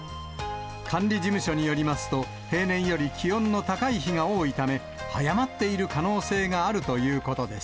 管理事務所によりますと、平年より気温の高い日が多いため、早まっている可能性があるということです。